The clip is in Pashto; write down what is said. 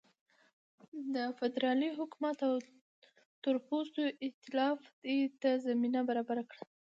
د فدرالي حکومت او تورپوستو اېتلاف دې ته زمینه برابره کړه.